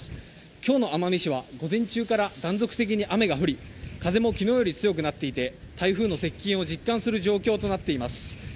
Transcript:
今日の奄美市は午前中から断続的に雨が降り風も昨日より強くなっていて台風の接近を実感する状況となっています。